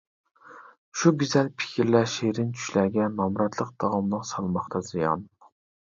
شۇ گۈزەل پىكىرلەر، شېرىن چۈشلەرگە، نامراتلىق داۋاملىق سالماقتا زىيان.